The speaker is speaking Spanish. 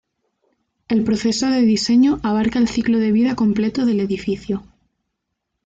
El proceso de diseño abarca el ciclo de vida completo del edificio.